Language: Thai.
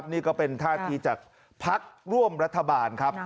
นี่ก็เป็นท่าทีจากพักร่วมรัฐบาลครับ